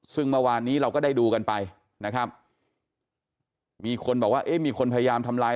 ซึ่งเมื่อวานนี้เราก็ได้ดูกันไปนะครับมีคนบอกว่าเอ๊ะมีคนพยายามทำลาย